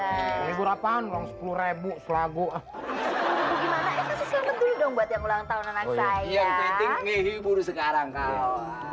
sejati ini berapaan rambut sepuluh rebu lagu gimana yang selalu dulu dong buat yang ulang tahun anak